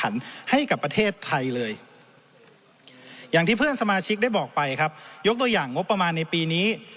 อย่างที่เพื่อนสมาชิกได้บอกไปครับยกตัวอย่างงบประมาณในปีนี้